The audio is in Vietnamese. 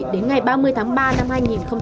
đến ngày ba mươi tháng ba năm hai nghìn hai mươi